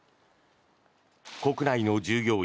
国内の従業員